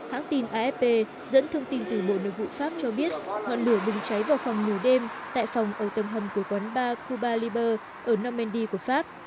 hãng tin afp dẫn thông tin từ bộ nội vụ pháp cho biết ngọn lửa bùng cháy vào phòng nhiều đêm tại phòng ở tầng hầm của quán bar cuba libbur ở nomendy của pháp